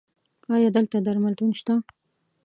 ایا دلته درملتون شته؟